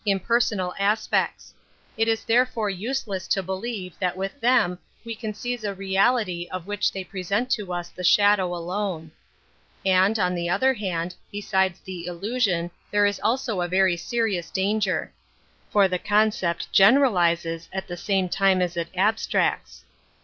impersonal aspects; it is therefore useless ! to believe that with them we can seize a reality of which they present to us the Metaphysics 19 shadow alone. And, on the other hand, besides the illusion there is also a very serious danger. For the concept general izes at the same time as it abstracts.